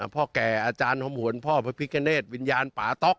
พ่อแก่อาจารย์หอมหวนพ่อพระพิกเนตวิญญาณป่าต๊อก